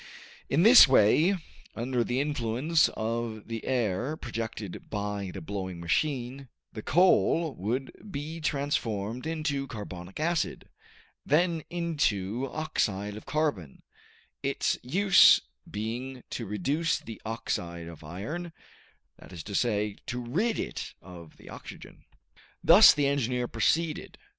In this way, under the influence of the air projected by the blowing machine, the coal would be transformed into carbonic acid, then into oxide of carbon, its use being to reduce the oxide of iron, that is to say, to rid it of the oxygen. Thus the engineer proceeded.